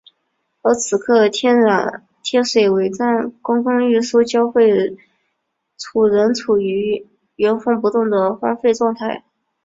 而此刻天水围站公共运输交汇处仍处于原封不动的荒废状态。